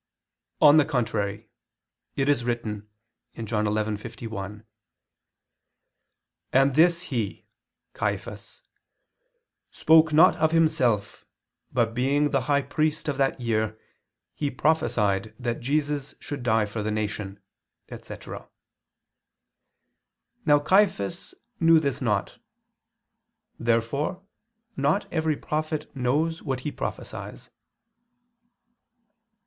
On the contrary, It is written (John 11:51): "And this he" (Caiphas) "spoke, not of himself, but being the High Priest of that year, he prophesied that Jesus should die for the nation," etc. Now Caiphas knew this not. Therefore not every prophet knows what he prophesies.